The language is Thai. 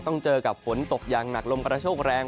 ต้องเจอกับฝนตกอย่างหนักลมกระโชคแรง